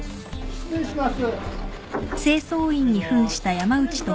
失礼します。